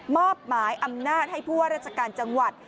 มอบหมายอำนาจให้ผู้ว่าราชการจังหวัด